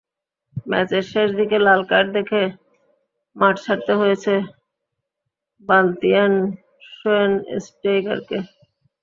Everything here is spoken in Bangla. ম্যাচের শেষ দিকে লাল কার্ড দেখে মাঠ ছাড়তে হয়েছে বাস্তিয়ান শোয়েনস্টেইগারকে।